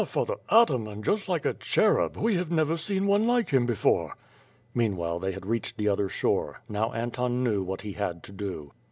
Father Ataman, just like a cherub! We have never seen one like him before." Meanwhile, they had reached the other shore. Now Anton knew what he had to do.